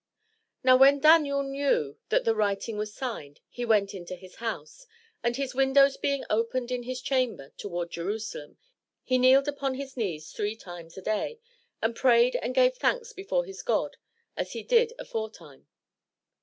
Now when Daniel knew that the writing was signed, he went into his house; and his windows being opened in his chamber to ward Jerusalem, he kneeled upon his knees three times a day, and prayed and gave thanks before his God as he did aforetime.